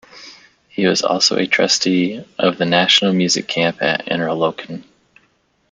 He was also a trustee of the National Music Camp at Interlochen.